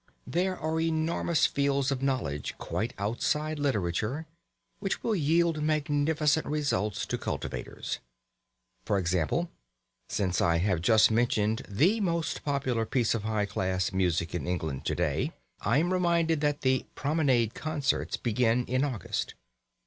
There are enormous fields of knowledge quite outside literature which will yield magnificent results to cultivators. For example (since I have just mentioned the most popular piece of high class music in England to day), I am reminded that the Promenade Concerts begin in August.